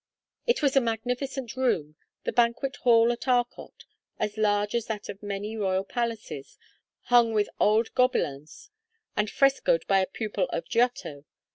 It was a magnificent room, the banquet hall at Arcot, as large as that of many royal palaces, hung with old Gobelins and frescoed by a pupil of Giotto.